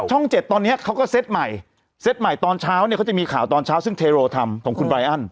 เจ็ดตอนนี้เขาก็เซตใหม่เซตใหม่ตอนเช้าเนี่ยเขาจะมีข่าวตอนเช้าซึ่งเทโรทำของคุณไรอัน